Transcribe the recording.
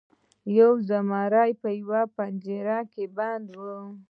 یو زمری په یوه پنجره کې بند و.